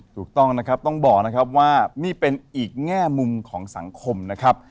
ถูกต้องนะครับต้องบอกนะครับว่านี่เป็นอีกแง่มุมของสังคมนะครับ